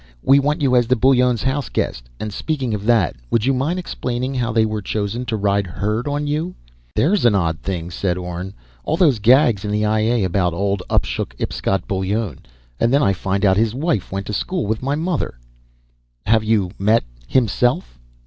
We want you as the Bullones' house guest! And speaking of that, would you mind explaining how they were chosen to ride herd on you?" "There's an odd thing," said Orne. "All those gags in the I A about old Upshook Ipscott Bullone ... and then I find that his wife went to school with my mother." "Have you met Himself?"